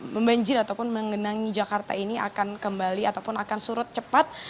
membanjir ataupun mengenangi jakarta ini akan kembali ataupun akan surut cepat